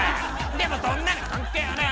でもそんなの関係ねえ！